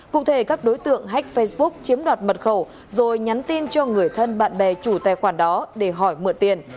cụ thể các đối tượng hách facebook chiếm đoạt mật khẩu rồi nhắn tin cho người thân bạn bè chủ tài khoản đó để hỏi mượn tiền